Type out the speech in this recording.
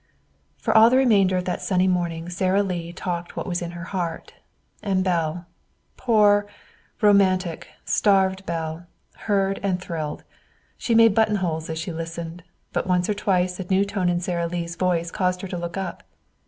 For all the remainder of that sunny morning Sara Lee talked what was in her heart. And Belle poor, romantic, starved Belle heard and thrilled. She made buttonholes as she listened, but once or twice a new tone in Sara Lee's voice caused her to look up.